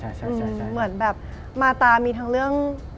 เหมือนแบบมาตามีทั้งเรื่อง